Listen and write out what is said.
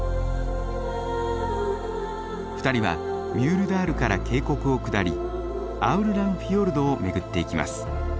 ２人はミュールダールから渓谷を下りアウルランフィヨルドを巡っていきます。